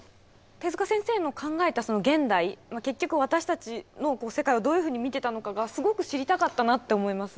手先生の考えた現代結局私たちの世界をどういうふうに見てたのかがすごく知りたかったなって思います。